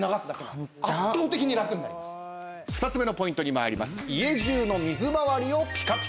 ２つ目のポイントに参ります。